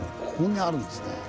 ここにあるんですね。